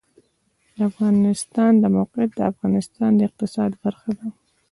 د افغانستان د موقعیت د افغانستان د اقتصاد برخه ده.